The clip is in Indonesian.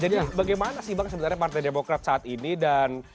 jadi bagaimana sih bang sebenarnya partai demokrat saat ini dan